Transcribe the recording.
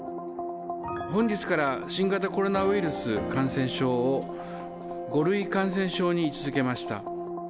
本日から、新型コロナウイルス感染症を５類感染症に位置づけました。